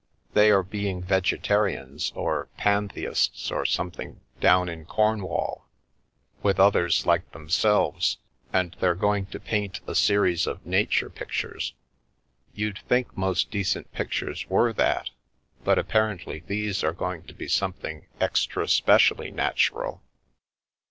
They are being vegetarians or Pantheists or something down in Cornwall, with others like themselves, and they're going to paint a series of * Nature pictures.' You'd think most decent pictures were that, but appar ently these are to be something extra specially nat ural."